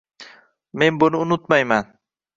Men buni unutmayman.